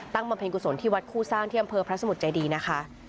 บำเพ็ญกุศลที่วัดคู่สร้างที่อำเภอพระสมุทรเจดีนะคะ